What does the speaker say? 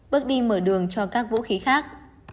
bước đi mở đường cho các vũ khí khác